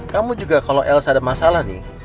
kamu juga kalau ls ada masalah nih